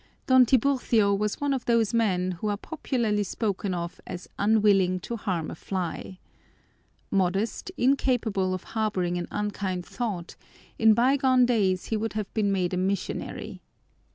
Don Tiburcio was one of those men who are popularly spoken of as unwilling to harm a fly. Modest, incapable of harboring an unkind thought, in bygone days he would have been made a missionary.